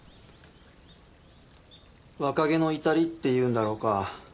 若気の至りっていうんだろうか。